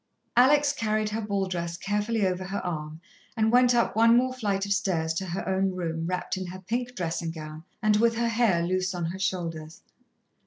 Alex carried her ball dress carefully over her arm and went up one more flight of stairs to her own room, wrapped in her pink dressing gown, and with her hair loose on her shoulders.